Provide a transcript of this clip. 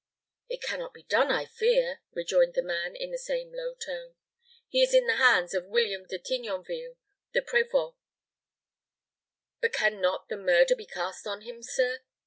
"It can not be done, I fear," rejoined the man, in the same low tone. "He is in the hands of William de Tignonville, the prévôt. But can not the murder be cast on him, sir?